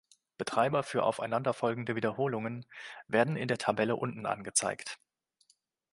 Betreiber für aufeinanderfolgende Wiederholungen werden in der Tabelle unten angezeigt.